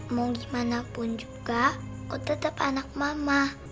mau gimana pun juga aku tetap anak mama